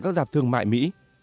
các giảp thư thương mại mỹ